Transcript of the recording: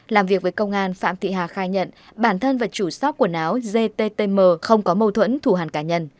làm việc với công an phạm thị hà khai nhận bản thân và chủ shop quần áo gttm không có mâu thuẫn thủ hàn cá nhân